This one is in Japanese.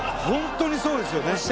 本当にそうですよね。